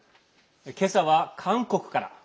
今朝は韓国から。